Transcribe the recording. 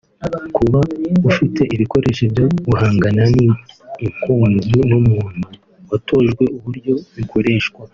kuba ufite ibikoresho byo guhangana n’ inkongi n’ umuntu watojwe uburyo bikoreshwa